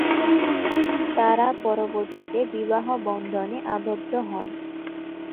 তারা পরবর্তীতে বিবাহ বন্ধনে আবদ্ধ হন।